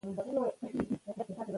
په پښتو ژبه کښي خبر پر دوه ډوله دئ.